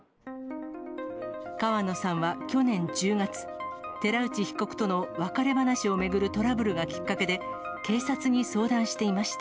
川野さんは去年１０月、寺内被告との別れ話を巡るトラブルがきっかけで、警察に相談していました。